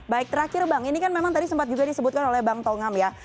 baik terakhir bang ini kan memang tadi sempat juga disebutkan oleh bang tongam ya